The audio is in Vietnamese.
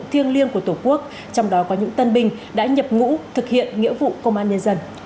thiêng liêng của tổ quốc trong đó có những tân binh đã nhập ngũ thực hiện nghĩa vụ công an nhân dân